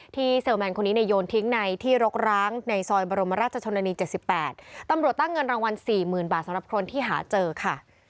เซลลแมนคนนี้เนี่ยโยนทิ้งในที่รกร้างในซอยบรมราชชนนานี๗๘ตำรวจตั้งเงินรางวัล๔๐๐๐บาทสำหรับคนที่หาเจอค่ะ